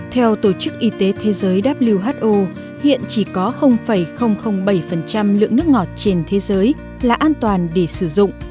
theo tổ chức y tế thế giới who hiện chỉ có bảy lượng nước ngọt trên thế giới là an toàn để sử dụng